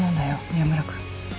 宮村君。